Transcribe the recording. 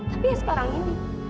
tapi ya sekarang ini